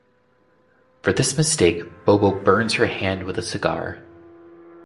For this mistake, Bobo burns her hand with a cigar.